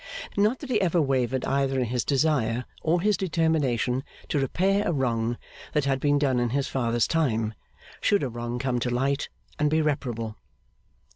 Not that he ever wavered either in his desire or his determination to repair a wrong that had been done in his father's time, should a wrong come to light, and be reparable.